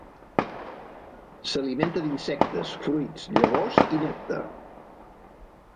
S'alimenta d'insectes, fruits, llavors i nèctar.